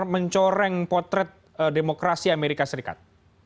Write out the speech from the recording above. mencoreng potret demokrasi amerika serikat